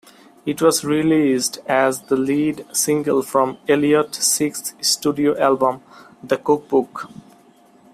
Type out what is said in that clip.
It was released as the lead single from Elliott's sixth studio album, "The Cookbook".